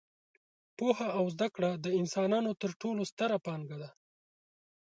پوهه او زده کړه د انسانانو تر ټولو ستره پانګه ده.